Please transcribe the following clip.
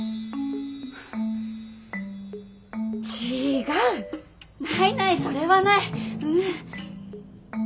違うないないそれはない。